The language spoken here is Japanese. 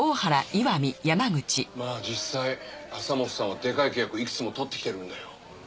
まあ実際朝本さんはでかい契約いくつも取ってきてるんだよ。